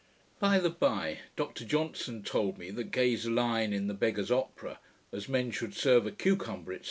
By the by, Dr Johnson told me, that Gay's line in the Beggar's Opera, 'As men should serve a cucumber,' &c.